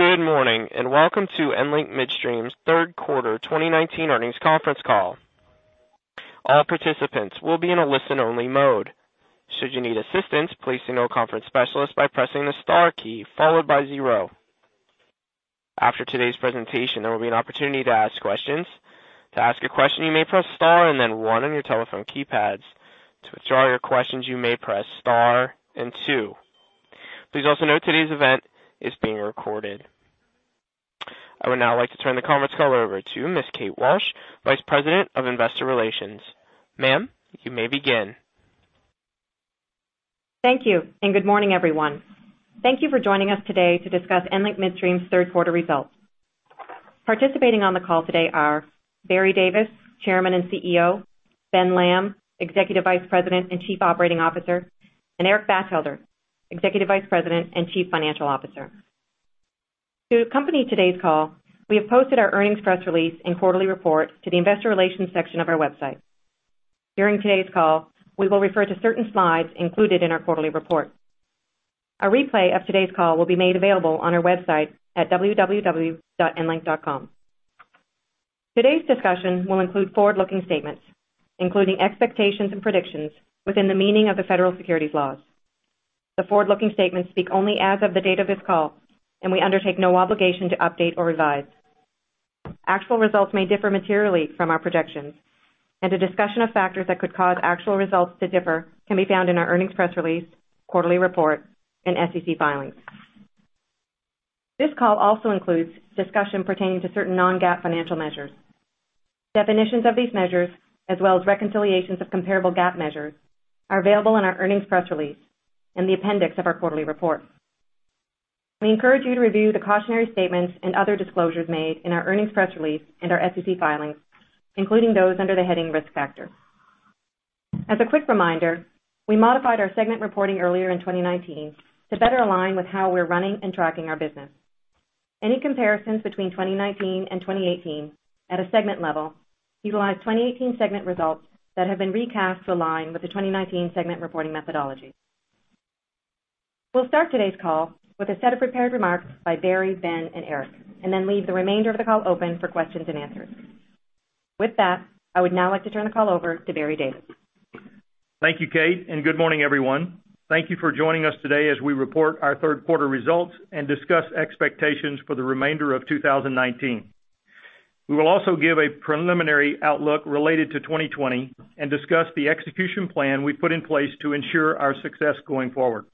Good morning, and welcome to EnLink Midstream's third quarter 2019 earnings conference call. All participants will be in a listen-only mode. Should you need assistance, please signal a conference specialist by pressing the star key followed by zero. After today's presentation, there will be an opportunity to ask questions. To ask a question, you may press star and then one on your telephone keypads. To withdraw your questions, you may press star and two. Please also note today's event is being recorded. I would now like to turn the conference call over to Ms. Kate Walsh, Vice President of Investor Relations. Ma'am, you may begin. Thank you, good morning, everyone. Thank you for joining us today to discuss EnLink Midstream's third quarter results. Participating on the call today are Barry Davis, Chairman and CEO, Ben Lamb, Executive Vice President and Chief Operating Officer, and Eric Batchelder, Executive Vice President and Chief Financial Officer. To accompany today's call, we have posted our earnings press release and quarterly report to the investor relations section of our website. During today's call, we will refer to certain slides included in our quarterly report. A replay of today's call will be made available on our website at www.enlink.com. Today's discussion will include forward-looking statements, including expectations and predictions within the meaning of the federal securities laws. The forward-looking statements speak only as of the date of this call, and we undertake no obligation to update or revise. Actual results may differ materially from our projections, and a discussion of factors that could cause actual results to differ can be found in our earnings press release, quarterly report, and SEC filings. This call also includes discussion pertaining to certain non-GAAP financial measures. Definitions of these measures, as well as reconciliations of comparable GAAP measures, are available in our earnings press release and the appendix of our quarterly report. We encourage you to review the cautionary statements and other disclosures made in our earnings press release and our SEC filings, including those under the heading Risk Factors. As a quick reminder, we modified our segment reporting earlier in 2019 to better align with how we're running and tracking our business. Any comparisons between 2019 and 2018 at a segment level utilize 2018 segment results that have been recast to align with the 2019 segment reporting methodology. We'll start today's call with a set of prepared remarks by Barry, Ben, and Eric, and then leave the remainder of the call open for questions and answers. With that, I would now like to turn the call over to Barry Davis. Thank you, Kate, and good morning, everyone. Thank you for joining us today as we report our third quarter results and discuss expectations for the remainder of 2019. We will also give a preliminary outlook related to 2020 and discuss the execution plan we've put in place to ensure our success going forward.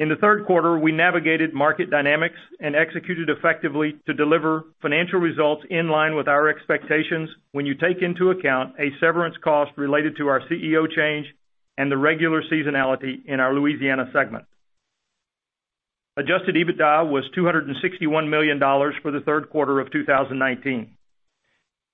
In the third quarter, we navigated market dynamics and executed effectively to deliver financial results in line with our expectations when you take into account a severance cost related to our CEO change and the regular seasonality in our Louisiana segment. Adjusted EBITDA was $261 million for the third quarter of 2019.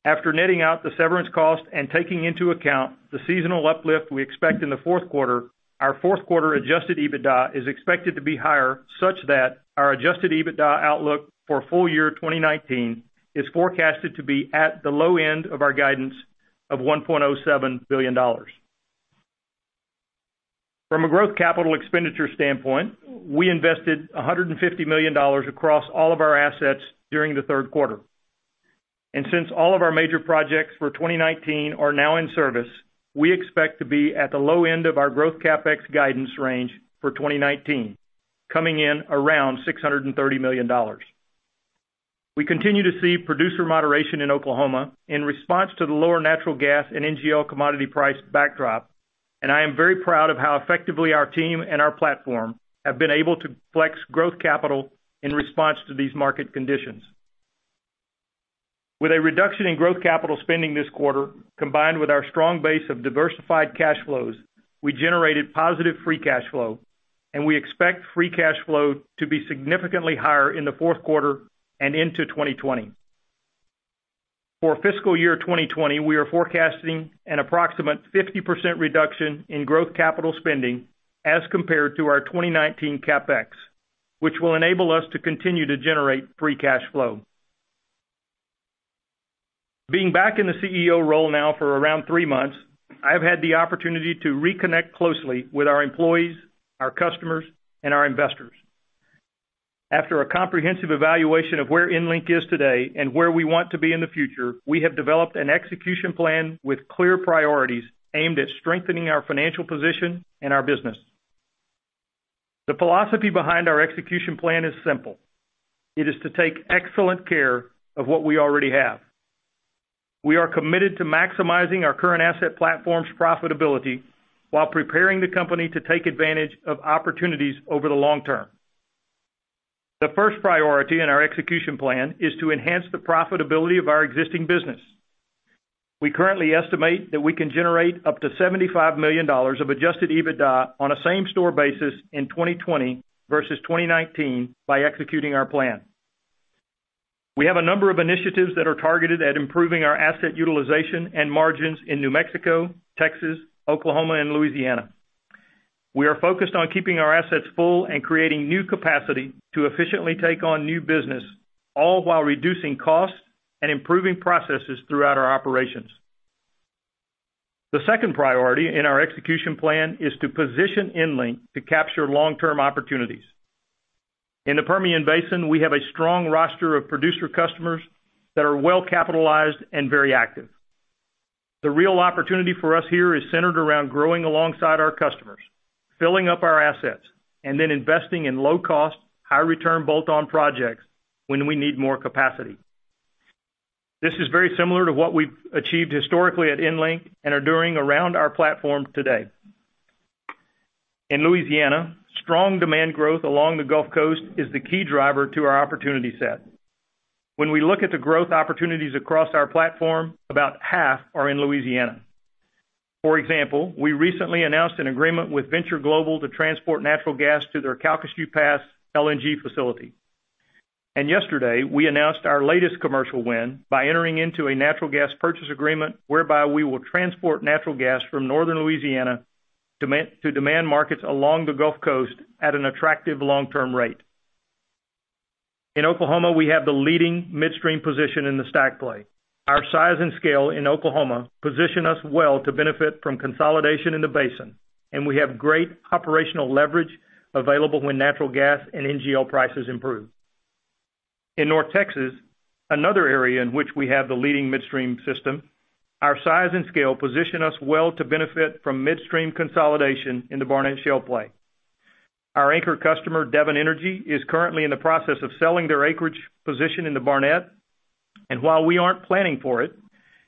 After netting out the severance cost and taking into account the seasonal uplift we expect in the fourth quarter, our fourth quarter adjusted EBITDA is expected to be higher, such that our adjusted EBITDA outlook for full year 2019 is forecasted to be at the low end of our guidance of $1.07 billion. From a growth capital expenditure standpoint, we invested $150 million across all of our assets during the third quarter. Since all of our major projects for 2019 are now in service, we expect to be at the low end of our growth CapEx guidance range for 2019, coming in around $630 million. We continue to see producer moderation in Oklahoma in response to the lower natural gas and NGL commodity price backdrop, and I am very proud of how effectively our team and our platform have been able to flex growth capital in response to these market conditions. With a reduction in growth capital spending this quarter, combined with our strong base of diversified cash flows, we generated positive free cash flow, and we expect free cash flow to be significantly higher in the fourth quarter and into 2020. For fiscal year 2020, we are forecasting an approximate 50% reduction in growth capital spending as compared to our 2019 CapEx, which will enable us to continue to generate free cash flow. Being back in the CEO role now for around three months, I've had the opportunity to reconnect closely with our employees, our customers, and our investors. After a comprehensive evaluation of where EnLink is today and where we want to be in the future, we have developed an execution plan with clear priorities aimed at strengthening our financial position and our business. The philosophy behind our execution plan is simple. It is to take excellent care of what we already have. We are committed to maximizing our current asset platform's profitability while preparing the company to take advantage of opportunities over the long term. The first priority in our execution plan is to enhance the profitability of our existing business. We currently estimate that we can generate up to $75 million of adjusted EBITDA on a same-store basis in 2020 versus 2019 by executing our plan. We have a number of initiatives that are targeted at improving our asset utilization and margins in New Mexico, Texas, Oklahoma, and Louisiana. We are focused on keeping our assets full and creating new capacity to efficiently take on new business, all while reducing costs and improving processes throughout our operations. The second priority in our execution plan is to position EnLink to capture long-term opportunities. In the Permian Basin, we have a strong roster of producer customers that are well-capitalized and very active. The real opportunity for us here is centered around growing alongside our customers, filling up our assets, and then investing in low-cost, high-return bolt-on projects when we need more capacity. This is very similar to what we've achieved historically at EnLink and are doing around our platform today. In Louisiana, strong demand growth along the Gulf Coast is the key driver to our opportunity set. When we look at the growth opportunities across our platform, about half are in Louisiana. For example, we recently announced an agreement with Venture Global to transport natural gas to their Calcasieu Pass LNG facility. Yesterday, we announced our latest commercial win by entering into a natural gas purchase agreement whereby we will transport natural gas from Northern Louisiana to demand markets along the Gulf Coast at an attractive long-term rate. In Oklahoma, we have the leading midstream position in the STACK play. Our size and scale in Oklahoma position us well to benefit from consolidation in the basin, and we have great operational leverage available when natural gas and NGL prices improve. In North Texas, another area in which we have the leading midstream system, our size and scale position us well to benefit from midstream consolidation in the Barnett Shale play. Our anchor customer, Devon Energy, is currently in the process of selling their acreage position in the Barnett. While we aren't planning for it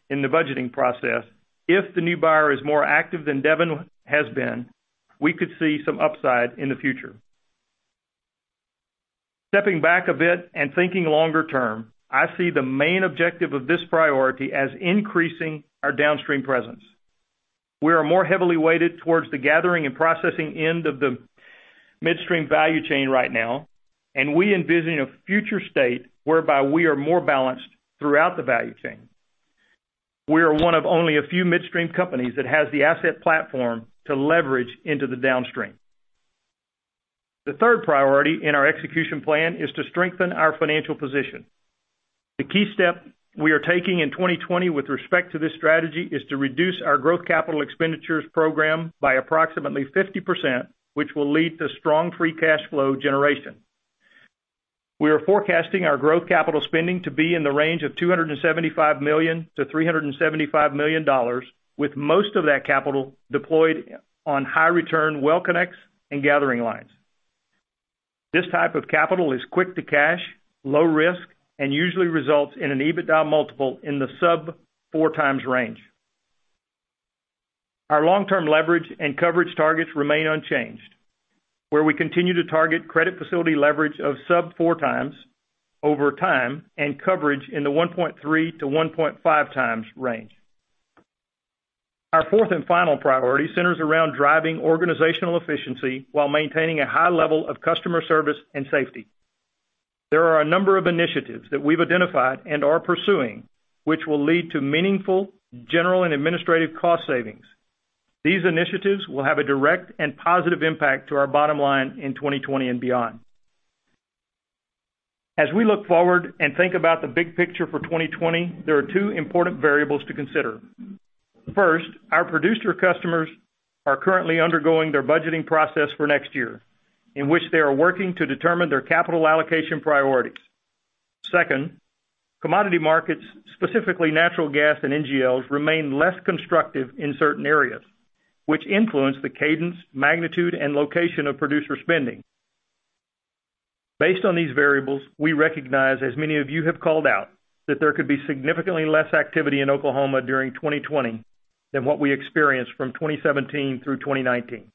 in the budgeting process, if the new buyer is more active than Devon has been, we could see some upside in the future. Stepping back a bit and thinking longer term, I see the main objective of this priority as increasing our downstream presence. We are more heavily weighted towards the gathering and processing end of the midstream value chain right now, and we envision a future state whereby we are more balanced throughout the value chain. We are one of only a few midstream companies that has the asset platform to leverage into the downstream. The third priority in our execution plan is to strengthen our financial position. The key step we are taking in 2020 with respect to this strategy is to reduce our growth capital expenditures program by approximately 50%, which will lead to strong free cash flow generation. We are forecasting our growth capital spending to be in the range of $275 million to $375 million, with most of that capital deployed on high-return well connects and gathering lines. This type of capital is quick to cash, low risk, and usually results in an EBITDA multiple in the sub-four times range. Our long-term leverage and coverage targets remain unchanged, where we continue to target credit facility leverage of sub four times over time and coverage in the 1.3-1.5 times range. Our fourth and final priority centers around driving organizational efficiency while maintaining a high level of customer service and safety. There are a number of initiatives that we've identified and are pursuing, which will lead to meaningful general and administrative cost savings. These initiatives will have a direct and positive impact to our bottom line in 2020 and beyond. As we look forward and think about the big picture for 2020, there are two important variables to consider. First, our producer customers are currently undergoing their budgeting process for next year, in which they are working to determine their capital allocation priorities. Second, commodity markets, specifically natural gas and NGLs, remain less constructive in certain areas, which influence the cadence, magnitude, and location of producer spending. Based on these variables, we recognize, as many of you have called out, that there could be significantly less activity in Oklahoma during 2020 than what we experienced from 2017 through 2019.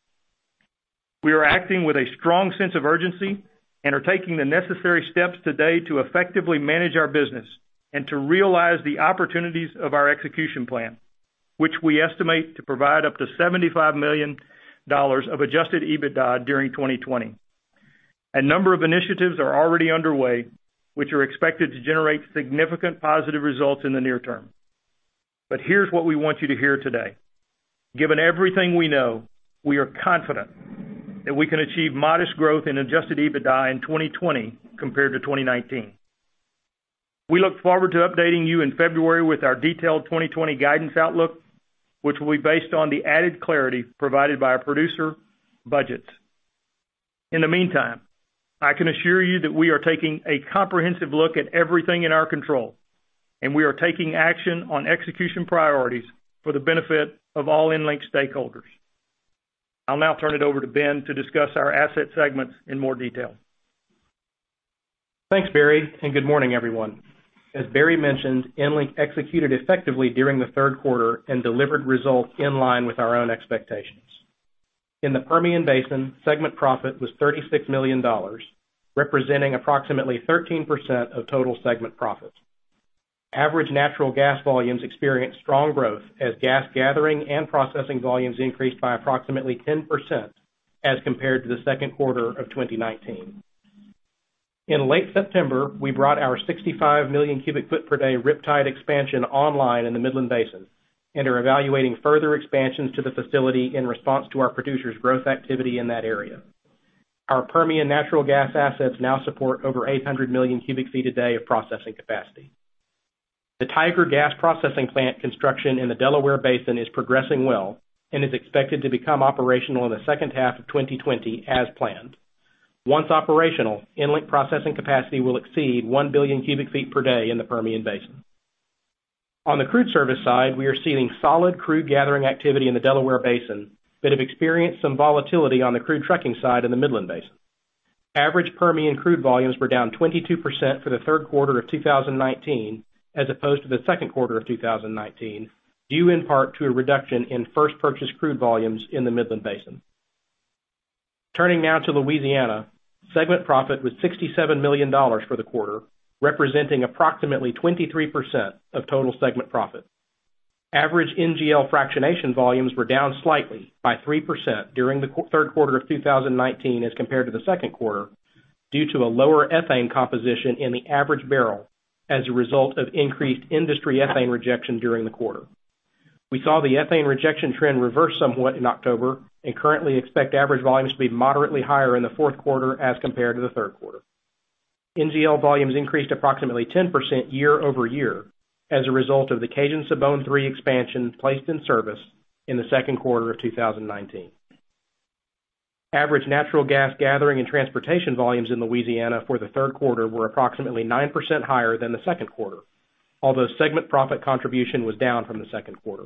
We are acting with a strong sense of urgency and are taking the necessary steps today to effectively manage our business and to realize the opportunities of our execution plan, which we estimate to provide up to $75 million of adjusted EBITDA during 2020. A number of initiatives are already underway, which are expected to generate significant positive results in the near term. Here's what we want you to hear today. Given everything we know, we are confident that we can achieve modest growth in adjusted EBITDA in 2020 compared to 2019. We look forward to updating you in February with our detailed 2020 guidance outlook, which will be based on the added clarity provided by our producer budgets. In the meantime, I can assure you that we are taking a comprehensive look at everything in our control, and we are taking action on execution priorities for the benefit of all EnLink stakeholders. I'll now turn it over to Ben to discuss our asset segments in more detail. Thanks, Barry, and good morning, everyone. As Barry mentioned, EnLink executed effectively during the third quarter and delivered results in line with our own expectations. In the Permian Basin, segment profit was $36 million, representing approximately 13% of total segment profits. Average natural gas volumes experienced strong growth as gas gathering and processing volumes increased by approximately 10% as compared to the second quarter of 2019. In late September, we brought our 65 million cubic foot per day Riptide expansion online in the Midland Basin and are evaluating further expansions to the facility in response to our producers' growth activity in that area. Our Permian natural gas assets now support over 800 million cubic feet a day of processing capacity. The Tiger Gas Processing Plant construction in the Delaware Basin is progressing well and is expected to become operational in the second half of 2020 as planned. Once operational, EnLink processing capacity will exceed 1 billion cubic feet per day in the Permian Basin. On the crude service side, we are seeing solid crude gathering activity in the Delaware Basin that have experienced some volatility on the crude trucking side in the Midland Basin. Average Permian crude volumes were down 22% for the third quarter of 2019 as opposed to the second quarter of 2019, due in part to a reduction in first purchase crude volumes in the Midland Basin. Turning now to Louisiana. Segment profit was $67 million for the quarter, representing approximately 23% of total segment profit. Average NGL fractionation volumes were down slightly by 3% during the third quarter of 2019 as compared to the second quarter due to a lower ethane composition in the average barrel as a result of increased industry ethane rejection during the quarter. We saw the ethane rejection trend reverse somewhat in October and currently expect average volumes to be moderately higher in the fourth quarter as compared to the third quarter. NGL volumes increased approximately 10% year-over-year as a result of the Cajun-Sibon III expansion placed in service in the second quarter of 2019. Average natural gas gathering and transportation volumes in Louisiana for the third quarter were approximately 9% higher than the second quarter. Although segment profit contribution was down from the second quarter.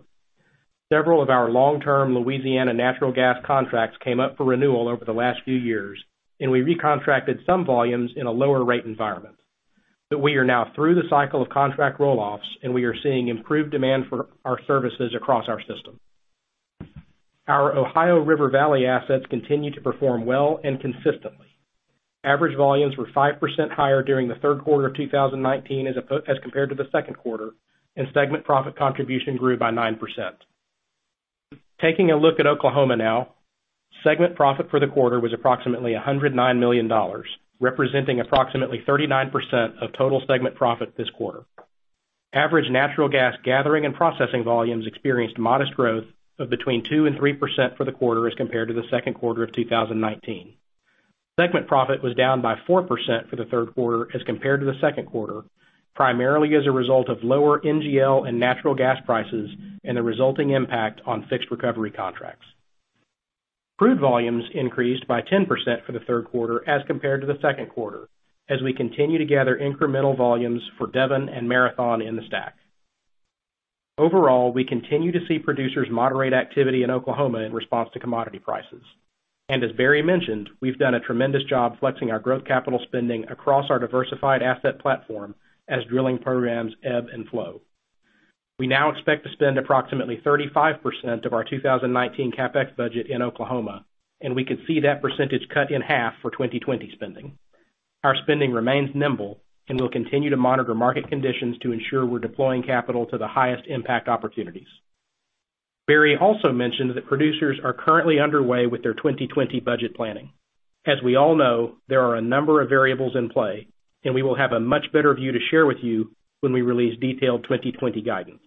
Several of our long-term Louisiana natural gas contracts came up for renewal over the last few years, and we recontracted some volumes in a lower rate environment. We are now through the cycle of contract roll-offs, and we are seeing improved demand for our services across our system. Our Ohio River Valley assets continue to perform well and consistently. Average volumes were 5% higher during the third quarter of 2019 as compared to the second quarter, and segment profit contribution grew by 9%. Taking a look at Oklahoma now. Segment profit for the quarter was approximately $109 million, representing approximately 39% of total segment profit this quarter. Average natural gas gathering and processing volumes experienced modest growth of between two and 3% for the quarter as compared to the second quarter of 2019. Segment profit was down by 4% for the third quarter as compared to the second quarter, primarily as a result of lower NGL and natural gas prices and the resulting impact on fixed recovery contracts. Crude volumes increased by 10% for the third quarter as compared to the second quarter, as we continue to gather incremental volumes for Devon and Marathon in the STACK. Overall, we continue to see producers moderate activity in Oklahoma in response to commodity prices. As Barry mentioned, we've done a tremendous job flexing our growth capital spending across our diversified asset platform as drilling programs ebb and flow. We now expect to spend approximately 35% of our 2019 CapEx budget in Oklahoma, and we could see that percentage cut in half for 2020 spending. Our spending remains nimble and we'll continue to monitor market conditions to ensure we're deploying capital to the highest impact opportunities. Barry also mentioned that producers are currently underway with their 2020 budget planning. As we all know, there are a number of variables in play, and we will have a much better view to share with you when we release detailed 2020 guidance.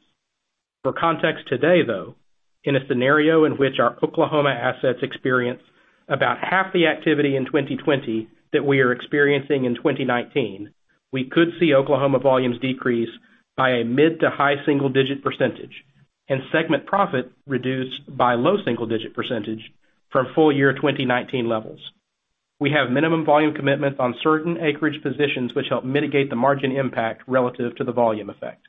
For context today, though, in a scenario in which our Oklahoma assets experience about half the activity in 2020 that we are experiencing in 2019, we could see Oklahoma volumes decrease by a mid to high single-digit % and segment profit reduced by low single-digit % from full year 2019 levels. We have minimum volume commitments on certain acreage positions which help mitigate the margin impact relative to the volume effect.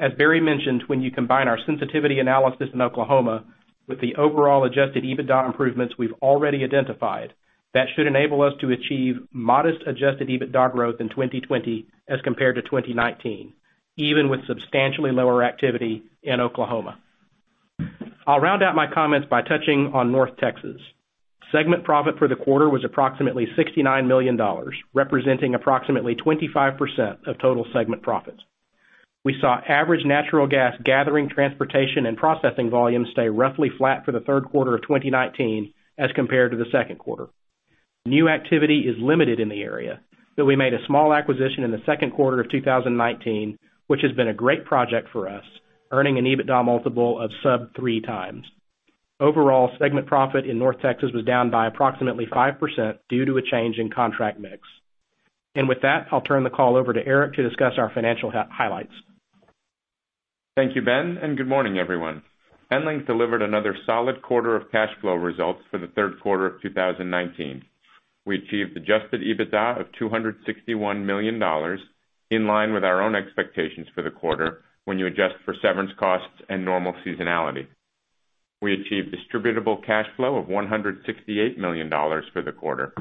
As Barry mentioned, when you combine our sensitivity analysis in Oklahoma with the overall adjusted EBITDA improvements we've already identified, that should enable us to achieve modest adjusted EBITDA growth in 2020 as compared to 2019, even with substantially lower activity in Oklahoma. I'll round out my comments by touching on North Texas. Segment profit for the quarter was approximately $69 million, representing approximately 25% of total segment profits. We saw average natural gas gathering, transportation, and processing volumes stay roughly flat for the 3rd quarter of 2019 as compared to the 2nd quarter. New activity is limited in the area, though we made a small acquisition in the 2nd quarter of 2019, which has been a great project for us, earning an EBITDA multiple of sub 3x. Overall, segment profit in North Texas was down by approximately 5% due to a change in contract mix. With that, I'll turn the call over to Eric to discuss our financial highlights. Thank you, Ben, and good morning, everyone. EnLink delivered another solid quarter of cash flow results for the third quarter of 2019. We achieved adjusted EBITDA of $261 million, in line with our own expectations for the quarter when you adjust for severance costs and normal seasonality. We achieved distributable cash flow of $168 million for the quarter.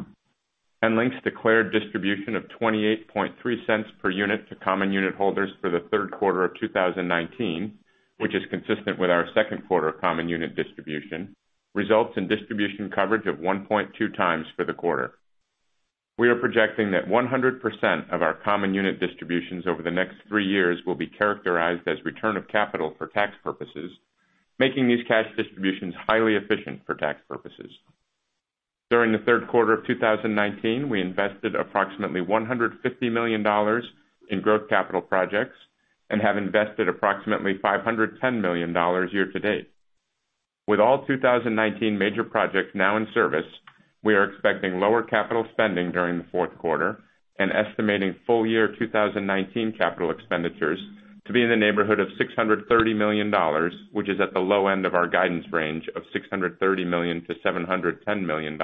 EnLink's declared distribution of $0.283 per unit to common unit holders for the third quarter of 2019, which is consistent with our second quarter common unit distribution, results in distribution coverage of 1.2 times for the quarter. We are projecting that 100% of our common unit distributions over the next three years will be characterized as return of capital for tax purposes, making these cash distributions highly efficient for tax purposes. During the third quarter of 2019, we invested approximately $150 million in growth capital projects. We have invested approximately $510 million year-to-date. With all 2019 major projects now in service, we are expecting lower capital spending during the fourth quarter, and estimating full year 2019 capital expenditures to be in the neighborhood of $630 million, which is at the low end of our guidance range of $630 million-$710 million.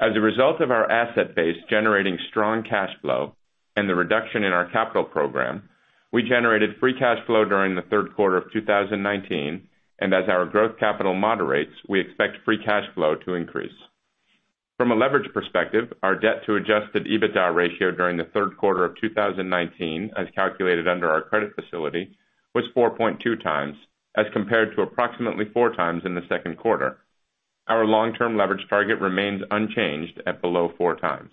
As a result of our asset base generating strong cash flow and the reduction in our capital program, we generated free cash flow during the third quarter of 2019, and as our growth capital moderates, we expect free cash flow to increase. From a leverage perspective, our debt to adjusted EBITDA ratio during the third quarter of 2019, as calculated under our credit facility, was 4.2 times, as compared to approximately four times in the second quarter. Our long-term leverage target remains unchanged at below 4 times.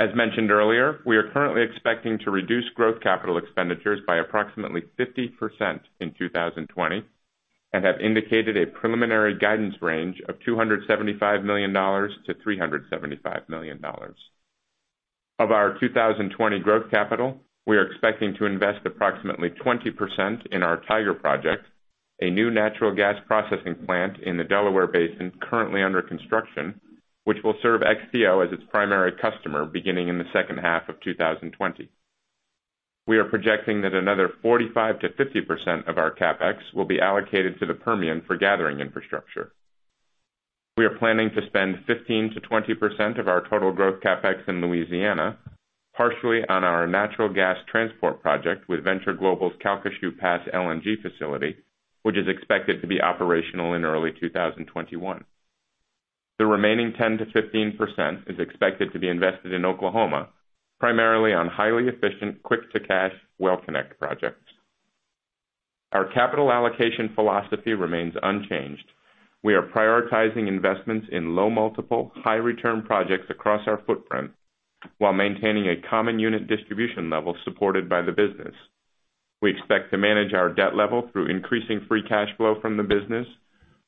As mentioned earlier, we are currently expecting to reduce growth capital expenditures by approximately 50% in 2020, and have indicated a preliminary guidance range of $275 million-$375 million. Of our 2020 growth capital, we are expecting to invest approximately 20% in our Tiger project, a new natural gas processing plant in the Delaware Basin, currently under construction, which will serve XTO as its primary customer beginning in the second half of 2020. We are projecting that another 45%-50% of our CapEx will be allocated to the Permian for gathering infrastructure. We are planning to spend 15%-20% of our total growth CapEx in Louisiana, partially on our natural gas transport project with Venture Global's Calcasieu Pass LNG facility, which is expected to be operational in early 2021. The remaining 10%-15% is expected to be invested in Oklahoma, primarily on highly efficient quick-to-cash well connects projects. Our capital allocation philosophy remains unchanged. We are prioritizing investments in low multiple, high return projects across our footprint, while maintaining a common unit distribution level supported by the business. We expect to manage our debt level through increasing free cash flow from the business,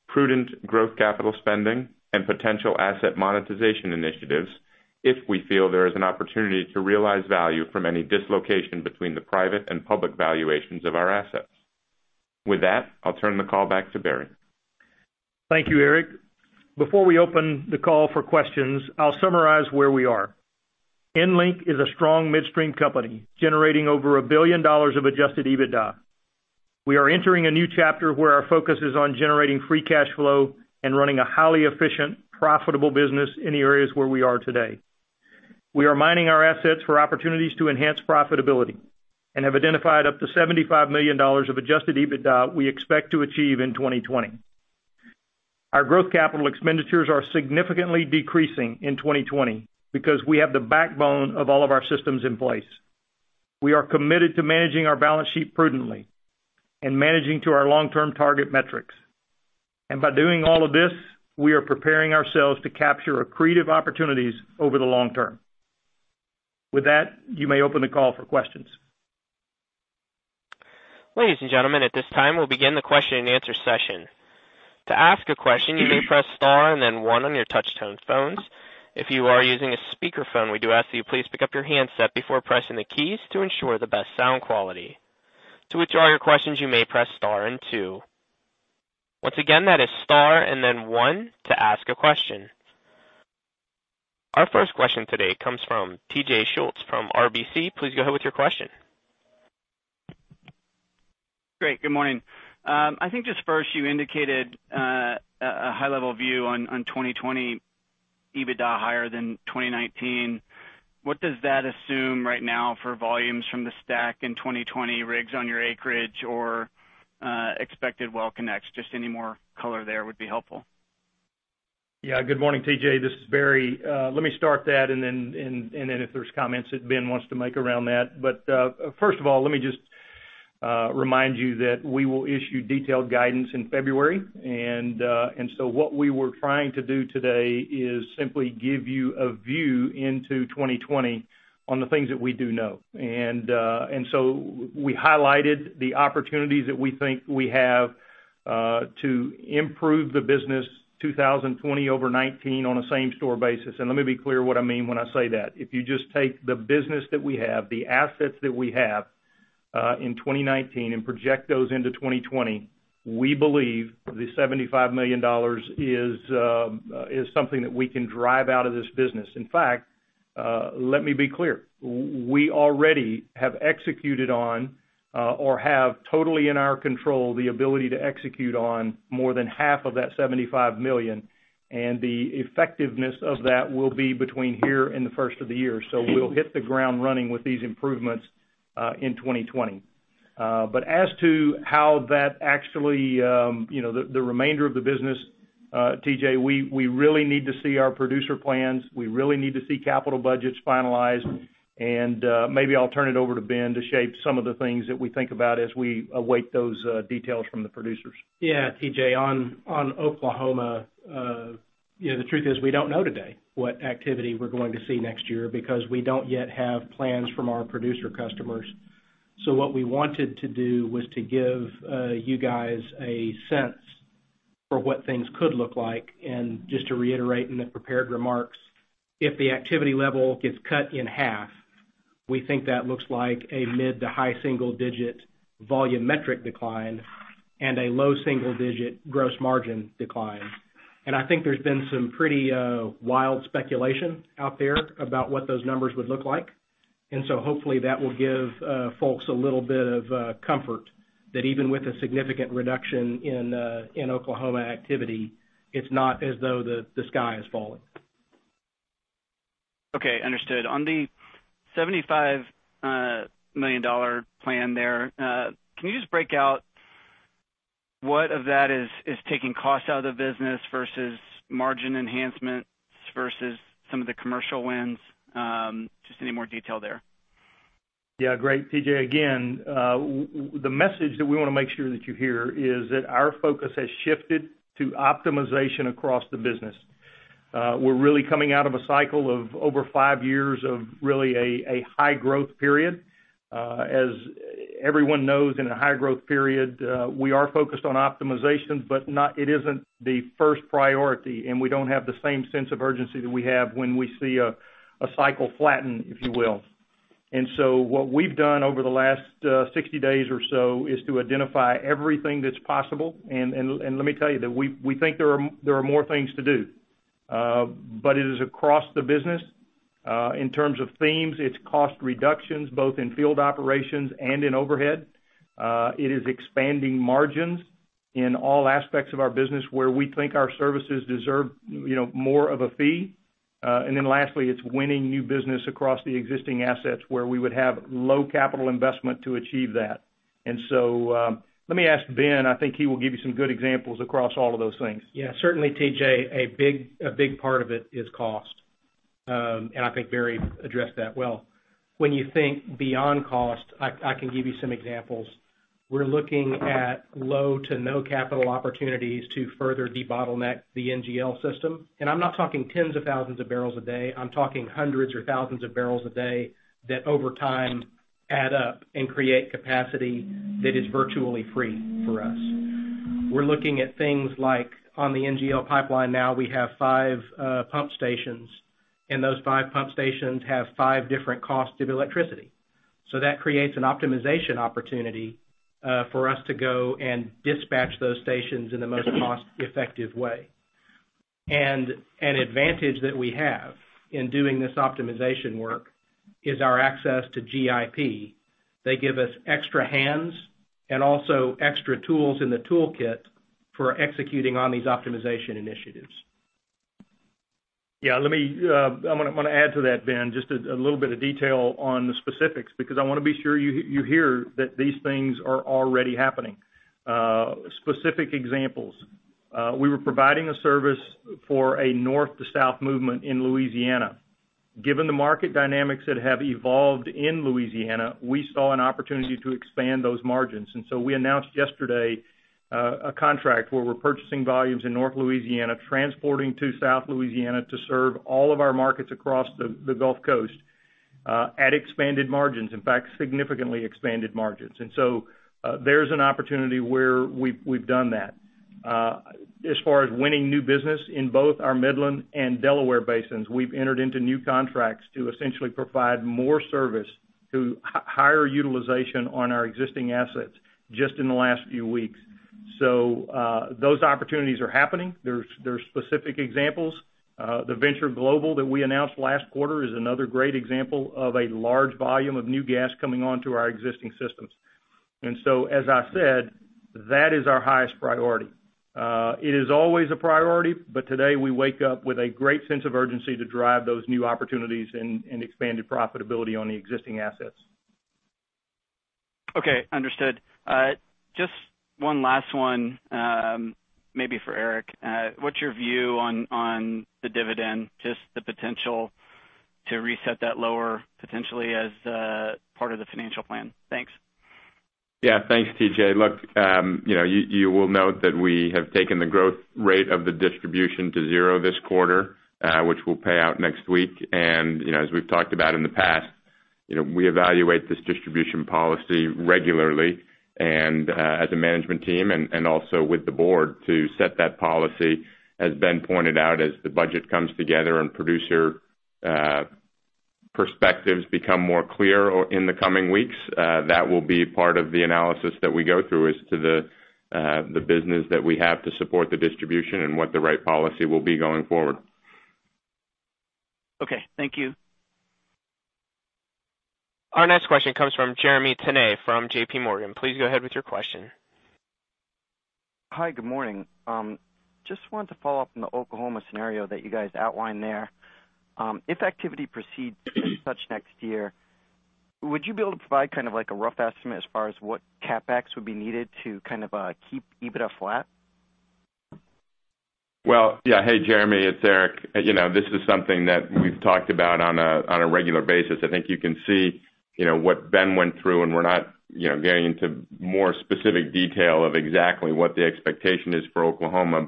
prudent growth capital spending, and potential asset monetization initiatives if we feel there is an opportunity to realize value from any dislocation between the private and public valuations of our assets. With that, I'll turn the call back to Barry. Thank you, Eric. Before we open the call for questions, I'll summarize where we are. EnLink is a strong midstream company, generating over $1 billion of adjusted EBITDA. We are entering a new chapter where our focus is on generating free cash flow and running a highly efficient, profitable business in the areas where we are today. We are mining our assets for opportunities to enhance profitability, and have identified up to $75 million of adjusted EBITDA we expect to achieve in 2020. Our growth capital expenditures are significantly decreasing in 2020 because we have the backbone of all of our systems in place. We are committed to managing our balance sheet prudently and managing to our long-term target metrics. By doing all of this, we are preparing ourselves to capture accretive opportunities over the long term. With that, you may open the call for questions. Ladies and gentlemen, at this time, we'll begin the question and answer session. To ask a question, you may press star and then one on your touch tone phones. If you are using a speakerphone, we do ask that you please pick up your handset before pressing the keys to ensure the best sound quality. To withdraw your questions, you may press star and two. Once again, that is star and then one to ask a question. Our first question today comes from T.J. Schultz from RBC. Please go ahead with your question. Great. Good morning. I think just first you indicated a high-level view on 2020 EBITDA higher than 2019. What does that assume right now for volumes from the STACK in 2020 rigs on your acreage or expected well connects? Just any more color there would be helpful. Good morning, T.J. This is Barry. Let me start that, then if there's comments that Ben wants to make around that. First of all, let me just remind you that we will issue detailed guidance in February. What we were trying to do today is simply give you a view into 2020 on the things that we do know. We highlighted the opportunities that we think we have to improve the business 2020 over 2019 on a same-store basis. Let me be clear what I mean when I say that. If you just take the business that we have, the assets that we have in 2019 and project those into 2020, we believe the $75 million is something that we can drive out of this business. In fact, let me be clear. We already have executed on or have totally in our control the ability to execute on more than half of that $75 million, and the effectiveness of that will be between here and the first of the year. We'll hit the ground running with these improvements in 2020. As to how the remainder of the business, T.J., we really need to see our producer plans. We really need to see capital budgets finalized. Maybe I'll turn it over to Ben to shape some of the things that we think about as we await those details from the producers. Yeah, T.J., on Oklahoma, the truth is we don't know today what activity we're going to see next year because we don't yet have plans from our producer customers. What we wanted to do was to give you guys a sense for what things could look like, and just to reiterate in the prepared remarks, if the activity level gets cut in half, we think that looks like a mid to high single-digit volume metric decline and a low single-digit gross margin decline. I think there's been some pretty wild speculation out there about what those numbers would look like. Hopefully, that will give folks a little bit of comfort that even with a significant reduction in Oklahoma activity, it's not as though the sky is falling. Okay, understood. On the $75 million plan there, can you just break out what of that is taking cost out of the business versus margin enhancements versus some of the commercial wins? Just any more detail there. Yeah, great. T.J., again, the message that we want to make sure that you hear is that our focus has shifted to optimization across the business. We're really coming out of a cycle of over five years of really a high-growth period. As everyone knows, in a high-growth period, we are focused on optimization, but it isn't the first priority, and we don't have the same sense of urgency that we have when we see a cycle flatten, if you will. What we've done over the last 60 days or so is to identify everything that's possible. Let me tell you that we think there are more things to do. It is across the business. In terms of themes, it's cost reductions, both in field operations and in overhead. It is expanding margins in all aspects of our business where we think our services deserve more of a fee. Lastly, it's winning new business across the existing assets where we would have low capital investment to achieve that. Let me ask Ben. I think he will give you some good examples across all of those things. Yeah. Certainly, T.J., a big part of it is cost. I think Barry addressed that well. When you think beyond cost, I can give you some examples. We're looking at low to no capital opportunities to further debottleneck the NGL system. I'm not talking tens of thousands of barrels a day. I'm talking hundreds or thousands of barrels a day that over time add up and create capacity that is virtually free for us. We're looking at things like on the NGL pipeline now, we have five pump stations, and those five pump stations have five different costs of electricity. That creates an optimization opportunity for us to go and dispatch those stations in the most cost-effective way. An advantage that we have in doing this optimization work is our access to GIP. They give us extra hands and also extra tools in the toolkit for executing on these optimization initiatives. I'm going to add to that, Ben, just a little bit of detail on the specifics, because I want to be sure you hear that these things are already happening. Specific examples. We were providing a service for a north to south movement in Louisiana. Given the market dynamics that have evolved in Louisiana, we saw an opportunity to expand those margins. We announced yesterday a contract where we're purchasing volumes in North Louisiana, transporting to South Louisiana to serve all of our markets across the Gulf Coast at expanded margins. In fact, significantly expanded margins. There's an opportunity where we've done that. As far as winning new business in both our Midland and Delaware basins, we've entered into new contracts to essentially provide more service to higher utilization on our existing assets just in the last few weeks. Those opportunities are happening. There's specific examples. The Venture Global that we announced last quarter is another great example of a large volume of new gas coming onto our existing systems. As I said, that is our highest priority. It is always a priority, but today we wake up with a great sense of urgency to drive those new opportunities and expanded profitability on the existing assets. Okay. Understood. Just one last one, maybe for Eric. What's your view on the dividend, just the potential to reset that lower potentially as part of the financial plan? Thanks. Yeah. Thanks, T.J. Look, you will note that we have taken the growth rate of the distribution to zero this quarter, which we'll pay out next week. As we've talked about in the past, we evaluate this distribution policy regularly as a management team and also with the Board to set that policy. As Ben pointed out, as the budget comes together and producer perspectives become more clear in the coming weeks, that will be part of the analysis that we go through as to the business that we have to support the distribution and what the right policy will be going forward. Okay. Thank you. Our next question comes from Jeremy Tonet from JP Morgan. Please go ahead with your question. Hi. Good morning. Just wanted to follow up on the Oklahoma scenario that you guys outlined there. If activity proceeds as such next year, would you be able to provide kind of like a rough estimate as far as what CapEx would be needed to kind of keep EBITDA flat? Yeah. Hey, Jeremy, it's Eric. This is something that we've talked about on a regular basis. I think you can see what Ben went through, and we're not getting into more specific detail of exactly what the expectation is for Oklahoma.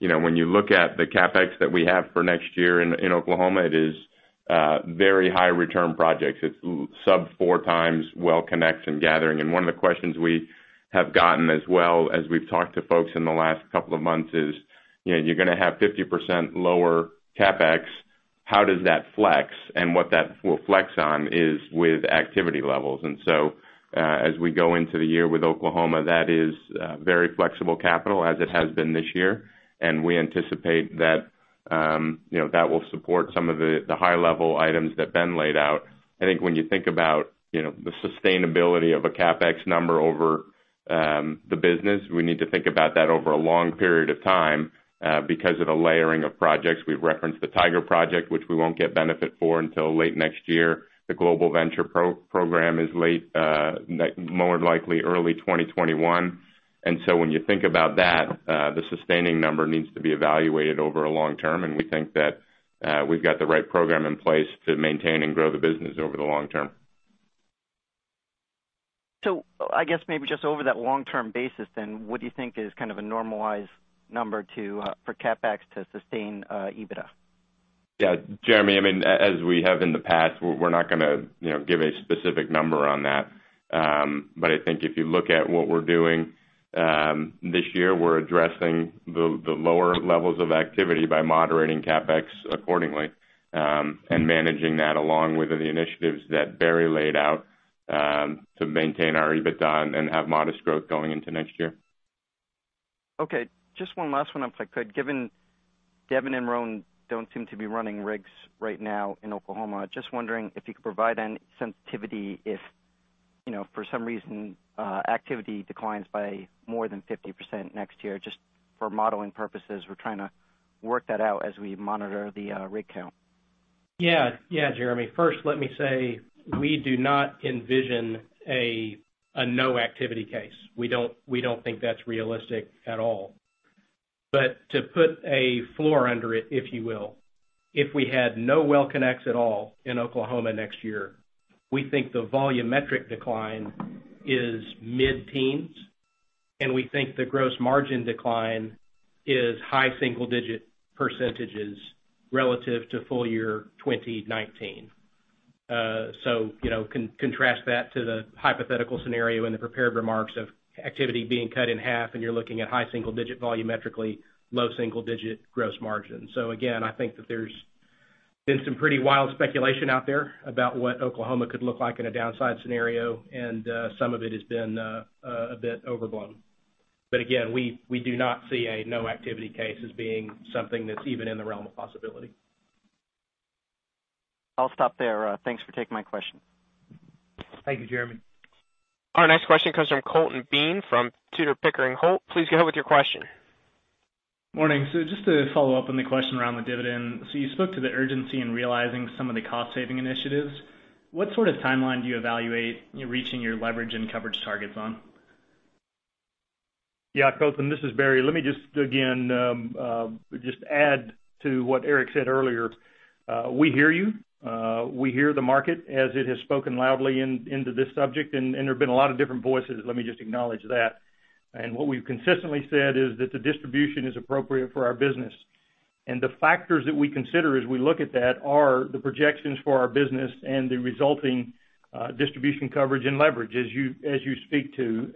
When you look at the CapEx that we have for next year in Oklahoma, it is very high return projects. It's sub four times well connects and gathering. One of the questions we have gotten as well as we've talked to folks in the last couple of months is, you're going to have 50% lower CapEx. How does that flex? What that will flex on is with activity levels. As we go into the year with Oklahoma, that is very flexible capital, as it has been this year, and we anticipate that will support some of the high-level items that Ben laid out. I think when you think about the sustainability of a CapEx number over the business, we need to think about that over a long period of time, because of the layering of projects. We've referenced the Tiger project, which we won't get benefit for until late next year. The Venture Global program is late, more likely early 2021. When you think about that, the sustaining number needs to be evaluated over a long term, and we think that we've got the right program in place to maintain and grow the business over the long term. I guess maybe just over that long term basis, what do you think is a normalized number for CapEx to sustain EBITDA? Yeah, Jeremy. As we have in the past, we're not going to give a specific number on that. I think if you look at what we're doing this year, we're addressing the lower levels of activity by moderating CapEx accordingly, and managing that along with the initiatives that Barry laid out, to maintain our EBITDA and have modest growth going into next year. Okay. Just one last one, if I could. Given Devon and Roan don't seem to be running rigs right now in Oklahoma, just wondering if you could provide any sensitivity if for some reason, activity declines by more than 50% next year, just for modeling purposes. We're trying to work that out as we monitor the rig count. Jeremy, First, let me say, we do not envision a no-activity case. We don't think that's realistic at all. To put a floor under it, if you will, if we had no WellConnects at all in Oklahoma next year, we think the volumetric decline is mid-teens, and we think the gross margin decline is high single-digit percentages relative to full year 2019. Contrast that to the hypothetical scenario in the prepared remarks of activity being cut in half and you're looking at high single-digit volumetrically, low single-digit gross margin. Again, I think that there's been some pretty wild speculation out there about what Oklahoma could look like in a downside scenario, and some of it has been a bit overblown. Again, we do not see a no-activity case as being something that's even in the realm of possibility. I'll stop there. Thanks for taking my question. Thank you, Jeremy. Our next question comes from Colton Bean from Tudor, Pickering, Holt. Please go ahead with your question. Morning. Just to follow up on the question around the dividend. You spoke to the urgency in realizing some of the cost-saving initiatives. What sort of timeline do you evaluate reaching your leverage and coverage targets on? Yeah, Colton, this is Barry. Let me just, again, just add to what Eric said earlier. We hear you. We hear the market as it has spoken loudly into this subject, and there have been a lot of different voices. Let me just acknowledge that. What we've consistently said is that the distribution is appropriate for our business. The factors that we consider as we look at that are the projections for our business and the resulting distribution coverage and leverage, as you speak to.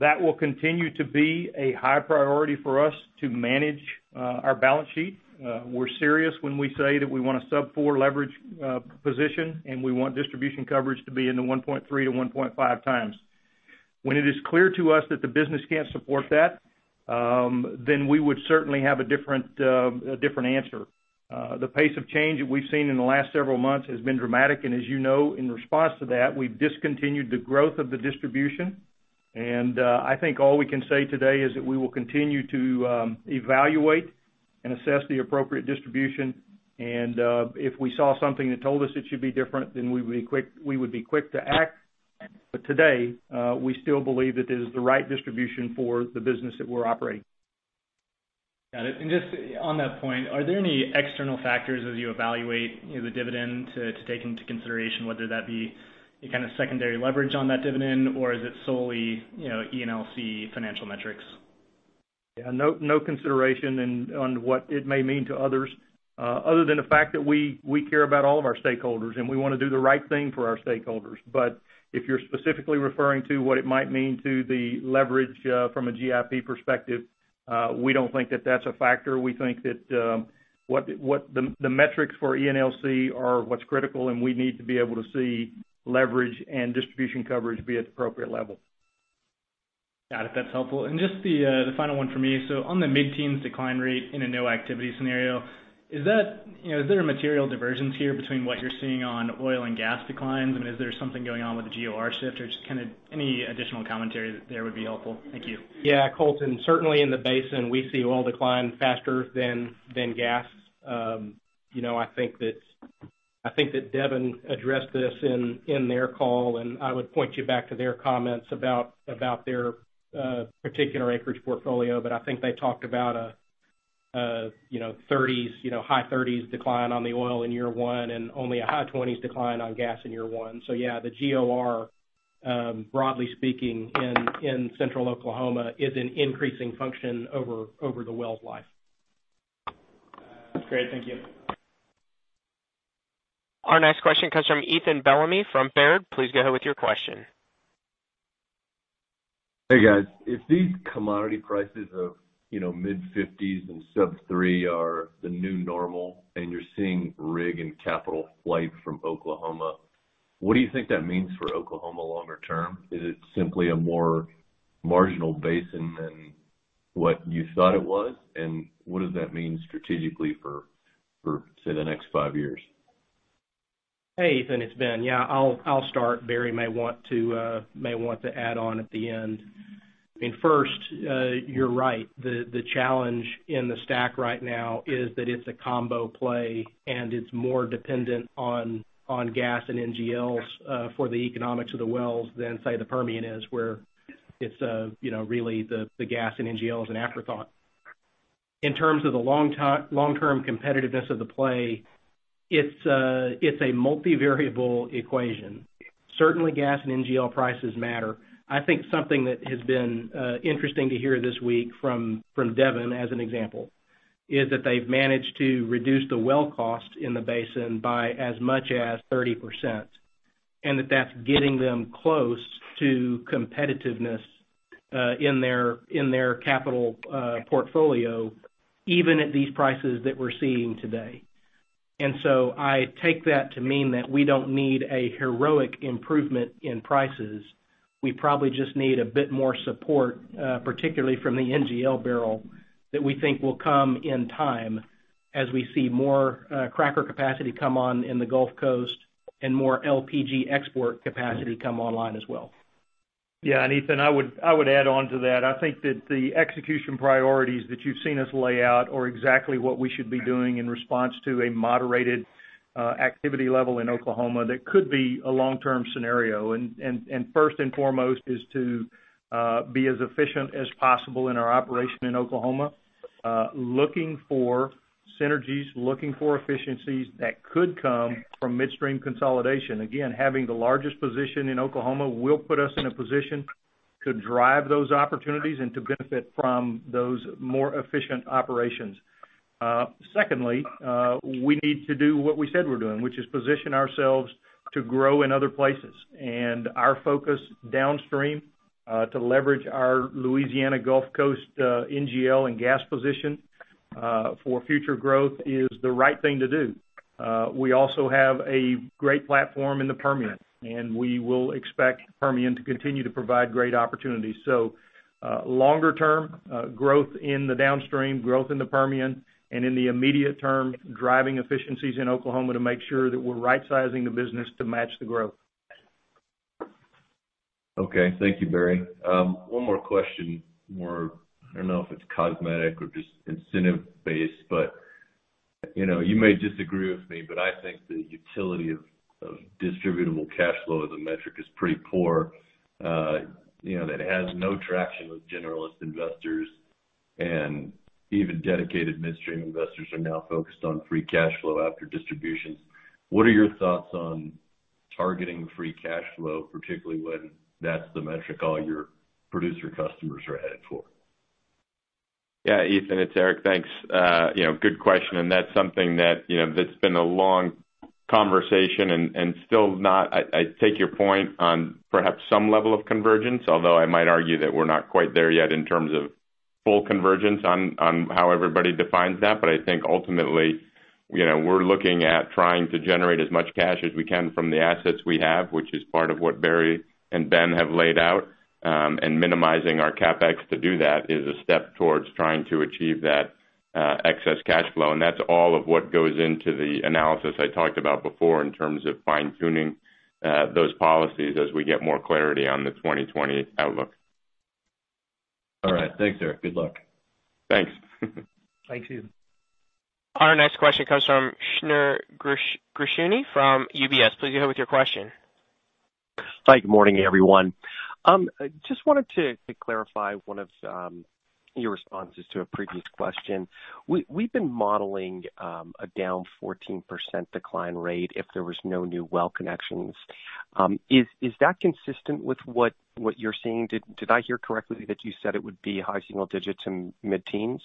That will continue to be a high priority for us to manage our balance sheet. We're serious when we say that we want a sub four leverage position, and we want distribution coverage to be in the 1.3x-1.5x. When it is clear to us that the business can't support that, then we would certainly have a different answer. The pace of change that we've seen in the last several months has been dramatic, and as you know, in response to that, we've discontinued the growth of the distribution. I think all we can say today is that we will continue to evaluate and assess the appropriate distribution, and if we saw something that told us it should be different, then we would be quick to act. Today, we still believe that it is the right distribution for the business that we're operating. Got it. Just on that point, are there any external factors as you evaluate the dividend to take into consideration, whether that be a kind of secondary leverage on that dividend, or is it solely ENLC financial metrics? Yeah. No consideration on what it may mean to others, other than the fact that we care about all of our stakeholders, and we want to do the right thing for our stakeholders. If you're specifically referring to what it might mean to the leverage from a GIP perspective, we don't think that that's a factor. We think that the metrics for ENLC are what's critical, and we need to be able to see leverage and distribution coverage be at the appropriate level. Got it. That's helpful. Just the final one from me. On the mid-teens decline rate in a no-activity scenario, is there a material divergence here between what you're seeing on oil and gas declines? I mean, is there something going on with the GOR shift, or just any additional commentary there would be helpful. Thank you. Yeah, Colton. Certainly in the basin, we see oil decline faster than gas. I think that Devon addressed this in their call, and I would point you back to their comments about their particular acreage portfolio. I think they talked about a high 30s decline on the oil in year one and only a high 20s decline on gas in year one. Yeah, the GOR. Broadly speaking, in Central Oklahoma is an increasing function over the well life. Great. Thank you. Our next question comes from Ethan Bellamy from Baird. Please go ahead with your question. Hey, guys. If these commodity prices of mid-$50s and sub $3 are the new normal and you're seeing rig and capital flight from Oklahoma, what do you think that means for Oklahoma longer term? Is it simply a more marginal basin than what you thought it was? What does that mean strategically for, say, the next five years? Hey, Ethan, it's Ben. Yeah, I'll start. Barry may want to add on at the end. First, you're right. The challenge in the STACK right now is that it's a combo play and it's more dependent on gas and NGLs for the economics of the wells than, say, the Permian is, where it's really the gas and NGL is an afterthought. In terms of the long-term competitiveness of the play, it's a multi-variable equation. Certainly, gas and NGL prices matter. I think something that has been interesting to hear this week from Devon, as an example, is that they've managed to reduce the well cost in the basin by as much as 30%, and that that's getting them close to competitiveness in their capital portfolio, even at these prices that we're seeing today. I take that to mean that we don't need a heroic improvement in prices. We probably just need a bit more support, particularly from the NGL barrel, that we think will come in time as we see more cracker capacity come on in the Gulf Coast and more LPG export capacity come online as well. Yeah, Ethan, I would add on to that. I think that the execution priorities that you've seen us lay out are exactly what we should be doing in response to a moderated activity level in Oklahoma that could be a long-term scenario. First and foremost is to be as efficient as possible in our operation in Oklahoma. Looking for synergies, looking for efficiencies that could come from midstream consolidation. Again, having the largest position in Oklahoma will put us in a position to drive those opportunities and to benefit from those more efficient operations. Secondly, we need to do what we said we're doing, which is position ourselves to grow in other places. Our focus downstream to leverage our Louisiana Gulf Coast NGL and gas position for future growth is the right thing to do. We also have a great platform in the Permian, and we will expect Permian to continue to provide great opportunities. Longer term growth in the downstream, growth in the Permian, and in the immediate term, driving efficiencies in Oklahoma to make sure that we're right-sizing the business to match the growth. Okay. Thank you, Barry. One more question. I don't know if it's cosmetic or just incentive-based, but you may disagree with me, but I think the utility of distributable cash flow as a metric is pretty poor. That it has no traction with generalist investors, and even dedicated midstream investors are now focused on free cash flow after distributions. What are your thoughts on targeting free cash flow, particularly when that's the metric all your producer customers are headed for? Yeah, Ethan, it's Eric. Thanks. Good question, and that's something that's been a long conversation. I take your point on perhaps some level of convergence, although I might argue that we're not quite there yet in terms of full convergence on how everybody defines that. I think ultimately, we're looking at trying to generate as much cash as we can from the assets we have, which is part of what Barry and Ben have laid out, and minimizing our CapEx to do that is a step towards trying to achieve that excess cash flow. That's all of what goes into the analysis I talked about before in terms of fine-tuning those policies as we get more clarity on the 2020 outlook. All right. Thanks, Eric. Good luck. Thanks. Thanks, Ethan. Our next question comes from Shneur Gershuni from UBS. Please go ahead with your question. Hi, good morning, everyone. Just wanted to clarify one of your responses to a previous question. We've been modeling a down 14% decline rate if there was no new well connections. Is that consistent with what you're seeing? Did I hear correctly that you said it would be high single digits and mid-teens?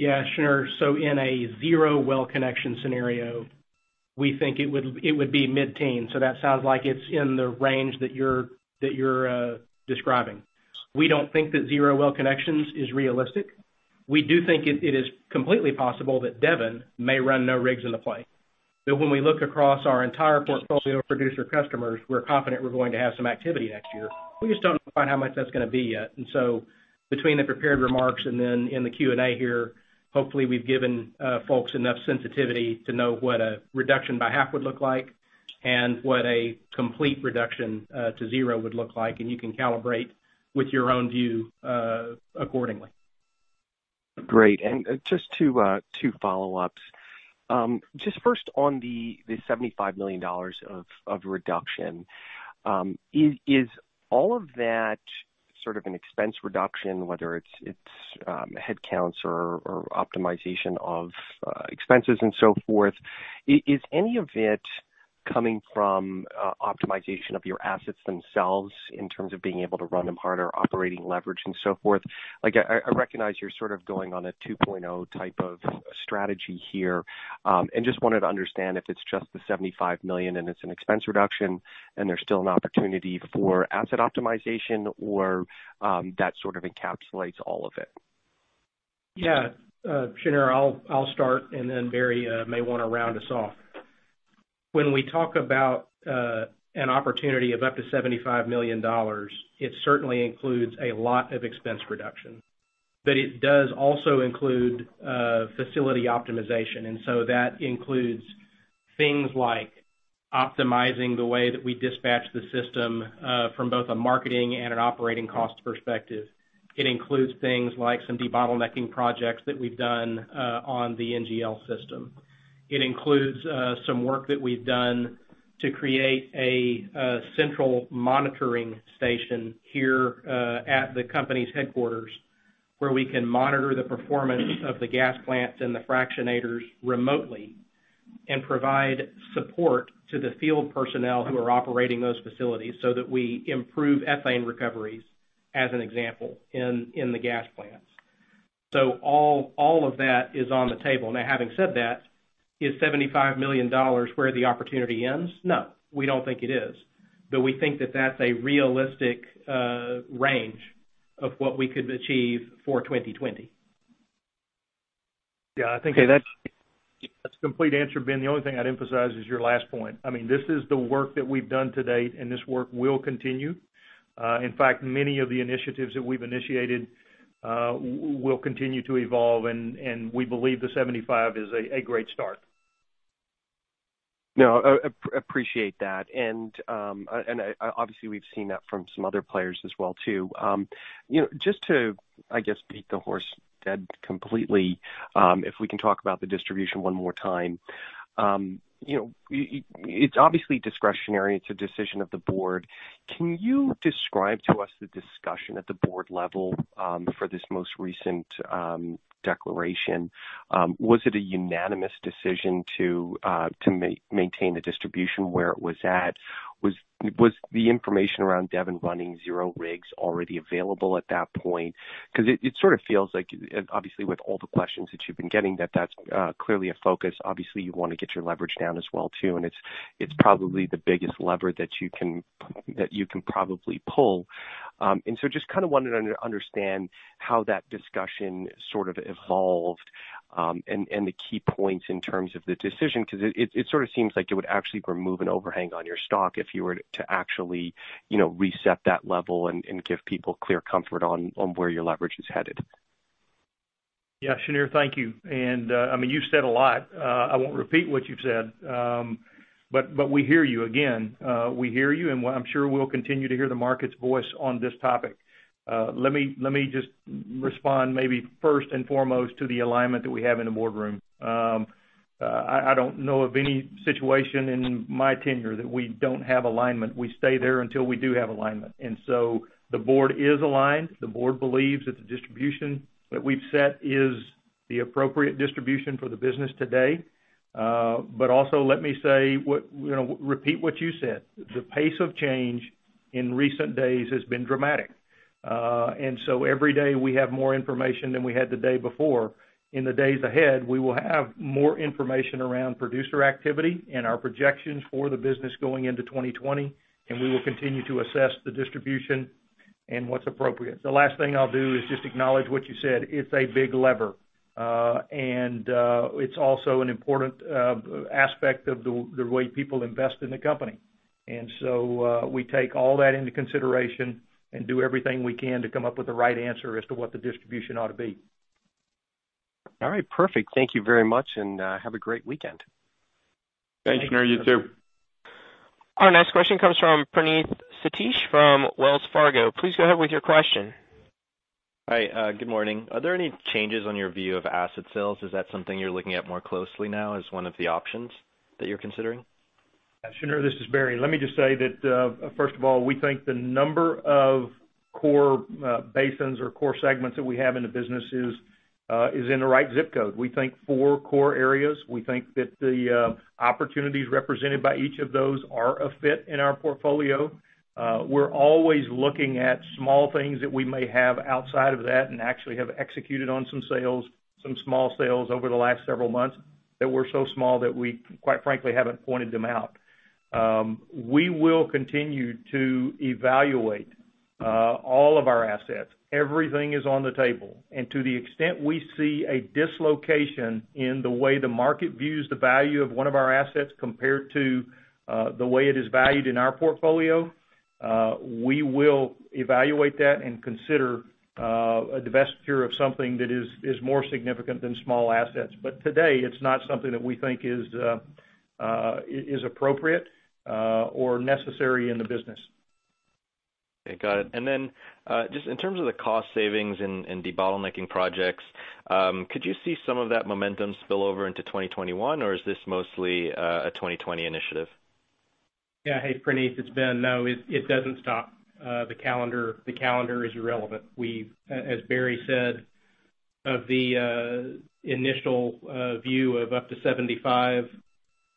Shneur. In a zero well connection scenario, we think it would be mid-teen. That sounds like it's in the range that you're describing. We don't think that zero well connections is realistic. We do think it is completely possible that Devon may run no rigs in the play. When we look across our entire portfolio of producer customers, we're confident we're going to have some activity next year. We just don't know quite how much that's going to be yet. Between the prepared remarks and then in the Q&A here, hopefully, we've given folks enough sensitivity to know what a reduction by half would look like and what a complete reduction to zero would look like, and you can calibrate with your own view accordingly. Great. Just two follow-ups. Just first on the $75 million of reduction. Is all of that sort of an expense reduction, whether it's headcounts or optimization of expenses and so forth. Is any of it coming from optimization of your assets themselves in terms of being able to run them harder, operating leverage and so forth? I recognize you're sort of going on a 2.0 type of strategy here, and just wanted to understand if it's just the $75 million and it's an expense reduction, and there's still an opportunity for asset optimization or that sort of encapsulates all of it. Yeah. Shneur, I'll start, and then Barry may want to round us off. When we talk about an opportunity of up to $75 million, it certainly includes a lot of expense reduction. It does also include facility optimization, that includes things like optimizing the way that we dispatch the system from both a marketing and an operating cost perspective. It includes things like some debottlenecking projects that we've done on the NGL system. It includes some work that we've done to create a central monitoring station here at the company's headquarters, where we can monitor the performance of the gas plants and the fractionators remotely and provide support to the field personnel who are operating those facilities so that we improve ethane recoveries, as an example, in the gas plants. All of that is on the table. Now, having said that, is $75 million where the opportunity ends? No, we don't think it is. We think that that's a realistic range of what we could achieve for 2020. Yeah, I think that's a complete answer, Ben. The only thing I'd emphasize is your last point. This is the work that we've done to date, and this work will continue. In fact, many of the initiatives that we've initiated will continue to evolve, and we believe the $75 is a great start. No, appreciate that. Obviously we've seen that from some other players as well, too. Just to, I guess, beat the horse dead completely, if we can talk about the distribution one more time. It's obviously discretionary. It's a decision of the board. Can you describe to us the discussion at the board level for this most recent declaration? Was it a unanimous decision to maintain the distribution where it was at? Was the information around Devon running zero rigs already available at that point? It sort of feels like, obviously with all the questions that you've been getting, that that's clearly a focus. Obviously, you want to get your leverage down as well, too, and it's probably the biggest lever that you can probably pull. Just kind of wanted to understand how that discussion sort of evolved, and the key points in terms of the decision, because it sort of seems like it would actually remove an overhang on your stock if you were to actually reset that level and give people clear comfort on where your leverage is headed. Yeah. Shneur, thank you. You've said a lot. I won't repeat what you've said. We hear you. Again, we hear you, and I'm sure we'll continue to hear the market's voice on this topic. Let me just respond maybe first and foremost to the alignment that we have in the boardroom. I don't know of any situation in my tenure that we don't have alignment. We stay there until we do have alignment. The board is aligned. The board believes that the distribution that we've set is the appropriate distribution for the business today. Also, let me repeat what you said. The pace of change in recent days has been dramatic. Every day we have more information than we had the day before. In the days ahead, we will have more information around producer activity and our projections for the business going into 2020. We will continue to assess the distribution and what's appropriate. The last thing I'll do is just acknowledge what you said. It's a big lever. It's also an important aspect of the way people invest in the company. We take all that into consideration and do everything we can to come up with the right answer as to what the distribution ought to be. All right. Perfect. Thank you very much, and have a great weekend. Thanks, Shneur. You, too. Our next question comes from Praneeth Satish from Wells Fargo. Please go ahead with your question. Hi. Good morning. Are there any changes on your view of asset sales? Is that something you're looking at more closely now as one of the options that you're considering? Shneur, this is Barry. Let me just say that, first of all, we think the number of core basins or core segments that we have in the business is in the right ZIP code. We think four core areas. We think that the opportunities represented by each of those are a fit in our portfolio. We're always looking at small things that we may have outside of that and actually have executed on some sales, some small sales over the last several months that were so small that we, quite frankly, haven't pointed them out. We will continue to evaluate all of our assets. Everything is on the table. To the extent we see a dislocation in the way the market views the value of one of our assets compared to the way it is valued in our portfolio, we will evaluate that and consider a divestiture of something that is more significant than small assets. Today, it's not something that we think is appropriate or necessary in the business. Okay, got it. Just in terms of the cost savings and debottlenecking projects, could you see some of that momentum spill over into 2021, or is this mostly a 2020 initiative? Yeah. Hey, Praneeth, it's Ben. No, it doesn't stop. The calendar is irrelevant. As Barry said, of the initial view of up to 75,